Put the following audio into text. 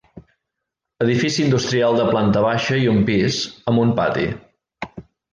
Edifici industrial de planta baixa i un pis, amb un pati.